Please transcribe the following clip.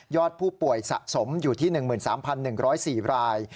อดผู้ป่วยสะสมอยู่ที่๑๓๑๐๔ราย